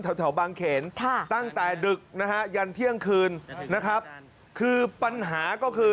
แถวบางเขนค่ะตั้งแต่ดึกนะฮะยันเที่ยงคืนนะครับคือปัญหาก็คือ